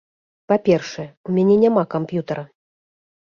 Па-першае, у мяне няма камп'ютара.